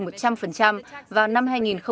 và tăng lên một trăm linh vào năm hai nghìn ba mươi năm